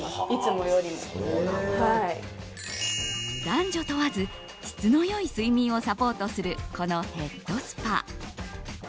男女問わず質の良い睡眠をサポートするこのヘッドスパ。